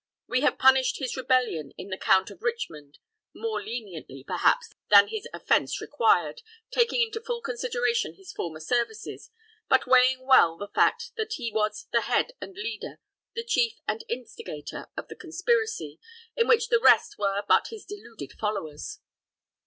We have punished his rebellion in the Count of Richmond more leniently, perhaps, than his offense required, taking into full consideration his former services, but weighing well the fact that he was the head and leader, the chief and instigator of the conspiracy, in which the rest were but his deluded followers.